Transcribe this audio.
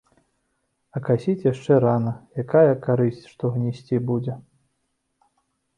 А касіць яшчэ рана, якая карысць, што гнісці будзе.